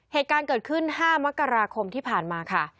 เหตุการณ์เกิดขึ้น๕มกราคมที่ผ่านมาค่ะ